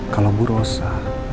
kalau bu rosa